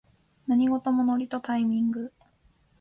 何事もノリとタイミング